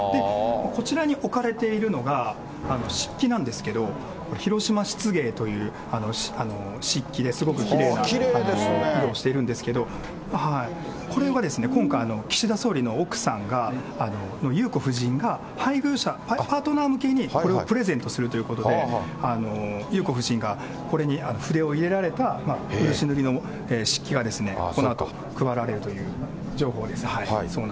こちらに置かれているのが、漆器なんですけれども、広島漆芸という漆器で、すごくきれいな色をしてるんですけれども、これは今回、岸田総理の奥さんの裕子夫人が配偶者、パートナー向けにこれをプレゼントするということで、裕子夫人がこれに筆を入れられた漆塗りの漆器が、このあと配られるという情報です。